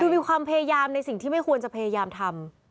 คือมีความพยายามในสิ่งที่ไม่ควรจะพยายามทำ